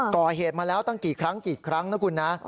ก่อเหตุมาแล้วตั้งกี่ครั้งนะคุณนะ